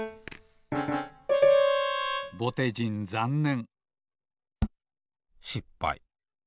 ぼてじんざんねんしっぱい。